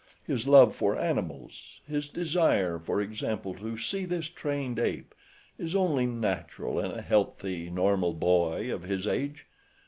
His love for animals—his desire, for example, to see this trained ape—is only natural in a healthy, normal boy of his age.